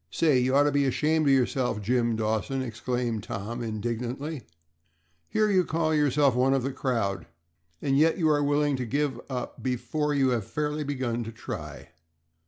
"Say, you ought to be ashamed of yourself, Jim Dawson," exclaimed Tom, indignantly, "here you call yourself one of the crowd, and yet you are willing to give up before you have fairly begun to try.